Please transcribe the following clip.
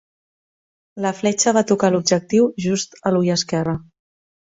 La fletxa va tocar l'objectiu just a l'ull esquerre.